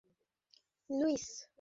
আমি কি পারব লুইস?